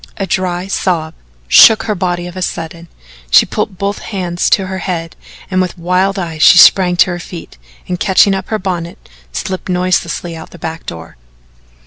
A dry sob shook her body of a sudden, she put both hands to her head and with wild eyes she sprang to her feet and, catching up her bonnet, slipped noiselessly out the back door.